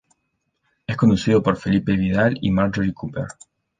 Es conducido por Felipe Vidal y Marjorie Cooper.